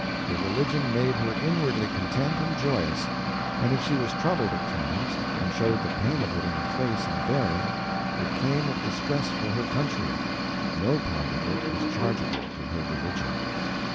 Her religion made her inwardly content and joyous; and if she was troubled at times, and showed the pain of it in her face and bearing, it came of distress for her country; no part of it was chargeable to her religion.